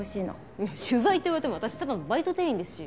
いや取材って言われても私ただのバイト店員ですし。